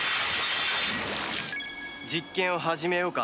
実験を始めようか。